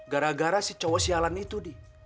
gara gara si cowok sialan itu di